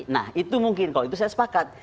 nah itu mungkin kalau itu saya sepakat